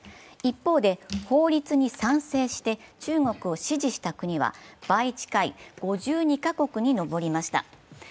一方で法律に賛成して中国を支持した国は倍近い５２カ国に上りました。